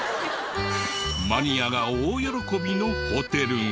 マニアが大喜びのホテルが。